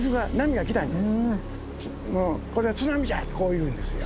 「これは津波じゃ！」ってこう言うんですよ。